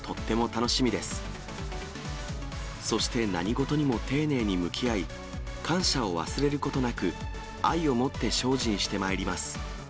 そして何事にも丁寧に向き合い、感謝を忘れることなく、愛を持って精進してまいります。